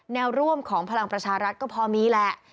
แนวร่วมของพลังประชารัฐก็พอมีแหละ